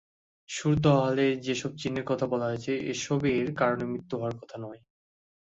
সুরতহালে যেসব চিহ্নের কথা বলা হয়েছে, এসবের কারণে মৃত্যু হওয়ার কথা নয়।